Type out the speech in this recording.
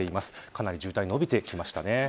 かなり渋滞、伸びてきましたね。